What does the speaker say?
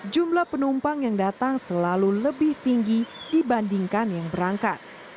jumlah penumpang yang datang selalu lebih tinggi dibandingkan yang berangkat